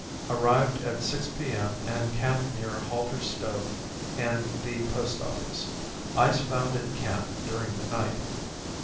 ] Arrived at 6 P.M., and camped near Halter's store and the post office. Ice found in camp during the night."